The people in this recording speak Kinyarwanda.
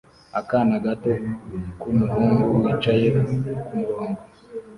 Akana gato k'umuhungu wicaye kumurongo